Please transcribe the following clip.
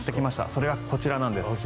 それがこちらなんです。